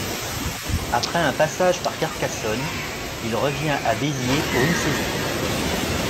Après un passage par Carcassonne, il revient à Béziers pour une saison.